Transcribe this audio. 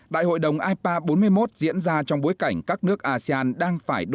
đại hội đồng ipa bốn mươi một diễn ra trong bối cảnh các nước asean